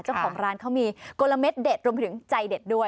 เจ้าของร้านเขามีกลมเด็ดรวมไปถึงใจเด็ดด้วย